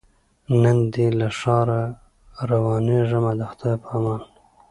نن دي له ښاره روانېږمه د خدای په امان